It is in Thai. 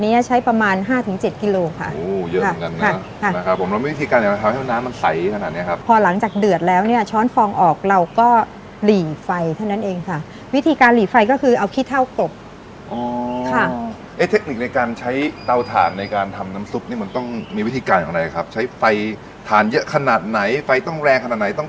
โอ้เยอะเหมือนกันนะครับเรามีวิธีการอย่างไรครับให้วันน้ำมันใสขนาดนี้ครับพอหลังจากเดือดแล้วเนี่ยช้อนฟองออกเราก็หลีไฟเท่านั้นเองค่ะวิธีการหลีไฟก็คือเอาขี้เท้ากบอ๋อค่ะเทคนิคในการใช้เตาถ่านในการทำน้ำซุปมันต้องมีวิธีการของอะไรครับใช้ไฟถ่านเยอะขนาดไหนไฟต้องแรงขนาดไหนต้อง